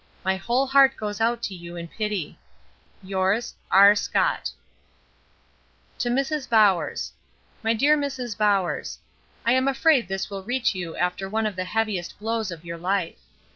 My whole heart goes out to you in pity, Yours, R. SCOTT TO MRS. BOWERS MY DEAR MRS. BOWERS, I am afraid this will reach you after one of the heaviest blows of your life.